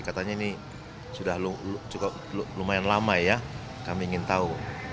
katanya ini sudah cukup lumayan lama ya kami ingin tahu